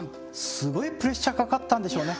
すごいプレッシャーかかったんでしょうね。